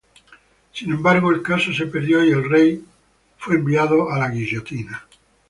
Sin embargo, el caso se perdió, y el rey fue enviado a la guillotina.